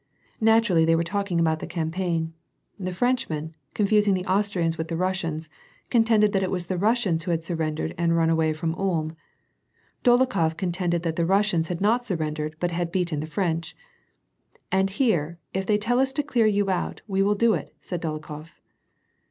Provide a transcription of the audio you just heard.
Naturally, they were talking about the campaign. The Frenchman, con fusing the Austrians with the Russians, contended that it was the Russians who had surrendered and run away from Ulm. Dolokhof contended that the Russians had not surrendered hut had beaten the French. " And here, if they tell us to clear you out, we will do it," said Dolokhof.